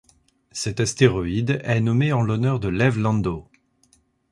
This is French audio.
Cet astéroïde est nommé en l'honneur de Lev Landau.